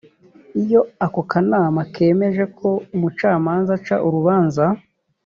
iyo ako kanama kemeje ko umucamanza aca urubanza